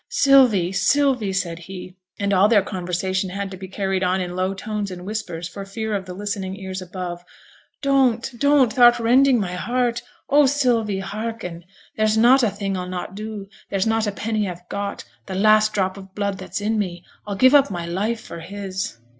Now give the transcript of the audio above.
'Sylvie, Sylvie!' said he, and all their conversation had to be carried on in low tones and whispers, for fear of the listening ears above, 'don't, don't, thou'rt rending my heart. Oh, Sylvie, hearken. There's not a thing I'll not do; there's not a penny I've got, th' last drop of blood that's in me, I'll give up my life for his.'